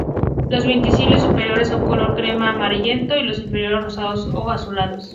Los verticilos superiores son color crema amarillento y los inferiores rosados o azulados.